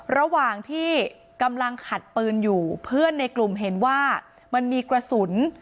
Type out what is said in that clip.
ระหว่างที่กำลังขัดปืนอยู่เพื่อนในกลุ่มเห็นว่ามันมีกระสุน